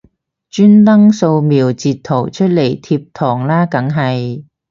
專登掃瞄截圖出嚟貼堂啦梗係